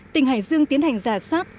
tỉnh hải dương tiến hành giả soát